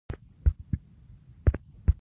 د شعر شاعر ملا بابړ نومېد.